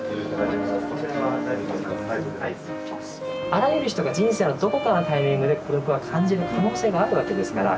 あらゆる人が人生のどこかのタイミングで孤独は感じる可能性があるわけですから。